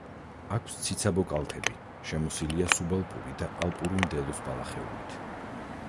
აქვს ციცაბო კალთები, შემოსილია სუბალპური და ალპური მდელოს ბალახეულით.